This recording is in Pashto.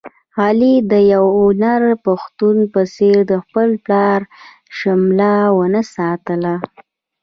علي د یو نر پښتون په څېر د خپل پلار شمله و نه ساتله.